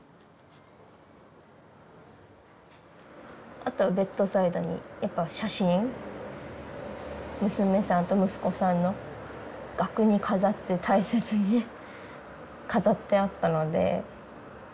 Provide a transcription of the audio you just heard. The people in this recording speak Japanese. あとはベッドサイドにやっぱ写真娘さんと息子さんの額に飾って大切にね飾ってあったので。